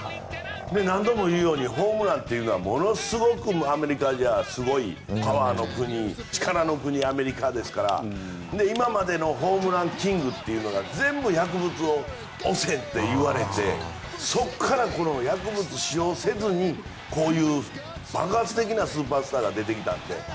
何度も言うようにホームランというのはものすごくアメリカではすごいパワーの国力の国アメリカですから今までのホームランキングというのが全部、薬物汚染といわれてそこから薬物使用せずにこういう、爆発的なスーパースターが出てきたって。